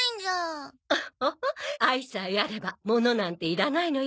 ホホホッ愛さえあれば物なんていらないのよ。